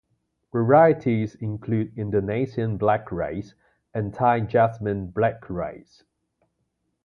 Varieties include Indonesian black rice and Thai jasmine black rice.